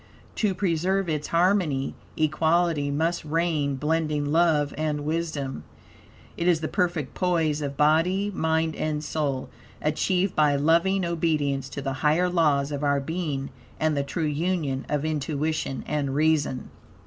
To preserve its harmony, equality must reign, blending love and wisdom. It is the perfect poise of body, mind, and soul, achieved by loving obedience to the higher laws of our being and the true union of intuition and reason.